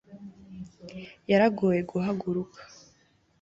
yaragoye guhaguruka